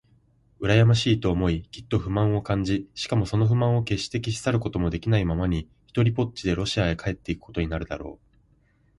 うらやましいと思い、きっと不満を感じ、しかもその不満をけっして消し去ることもできないままに、ひとりぽっちでロシアへ帰っていくことになるだろう。